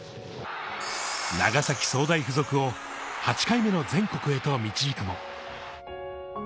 長崎総大附属を８回目の全国へと導くと。